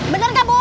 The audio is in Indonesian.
bener gak bun